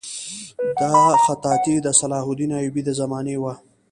دا خطاطي د صلاح الدین ایوبي د زمانې وه.